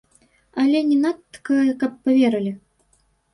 Але не надта каб паверылі.